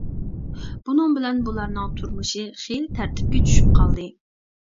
بۇنىڭ بىلەن بۇلارنىڭ تۇرمۇشى خېلى تەرتىپكە چۈشۈپ قالدى.